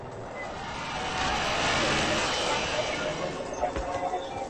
• زما یې جهاني قلم د یار په نوم وهلی دی -